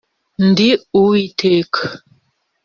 ndi uwiteka